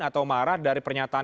atau marah dari pernyataan yang tadi